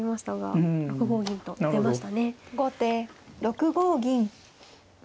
後手６五銀。